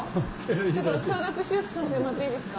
ちょっと消毒させてもらっていいですか？